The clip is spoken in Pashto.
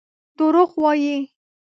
دروغ وايي.